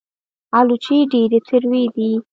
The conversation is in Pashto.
الوچې ډېرې تروې دي